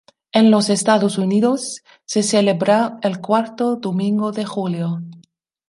En los Estados Unidos se celebra el cuarto domingo de julio.